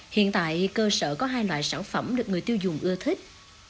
hiện tại cơ sở có hai loại sản phẩm được người tiêu dùng ưa thích